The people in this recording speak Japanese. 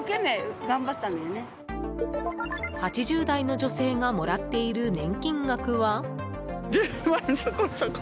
８０代の女性がもらっている年金額は？